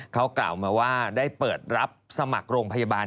เขากล่าวมาว่าได้เปิดรับสมัครโรงพยาบาล